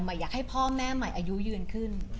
อยากให้พ่อแม่ใหม่อายุยืนขึ้น